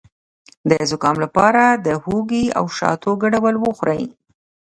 د زکام لپاره د هوږې او شاتو ګډول وخورئ